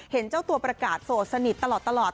เห็นเจ้าตัวประกาศโสดสนิทตลอด